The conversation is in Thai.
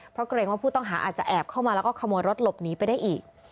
เพราะเกรงว่าผู้ต้องหาอาจจะแอบเข้ามาแล้วก็ขโมยรถหลบหนีไปได้อีก